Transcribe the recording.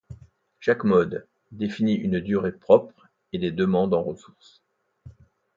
Chaque mode définit une durée propre et des demandes en ressources.